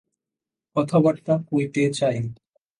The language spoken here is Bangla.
কথাবার্তা কইতে চাই।